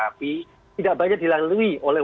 api tidak banyak dilalui oleh